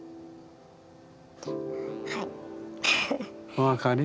お分かり？